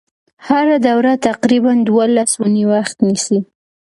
هره دوره تقریبا دولس اونۍ وخت نیسي.